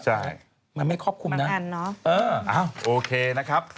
ใช่มันไม่ครอบคลุมนะเอออ้าวโอเคนะครับ